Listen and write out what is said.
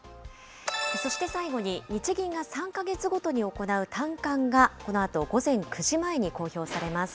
そして最後に日銀が３か月ごとに行う短観が、このあと午前９時前に公表されます。